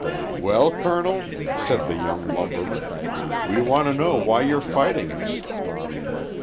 . "Well, Colonel," said the young lumberman, "we want to know why you're fighting us."